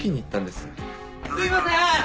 すいません！